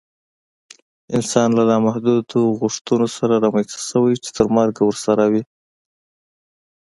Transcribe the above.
انسان له نامحدودو غوښتنو سره رامنځته شوی چې تر مرګه ورسره وي